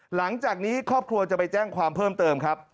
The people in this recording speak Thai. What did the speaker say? หลังจากนี้ครอบครัวจะไปแจ้งความเพิ่มเติมครับ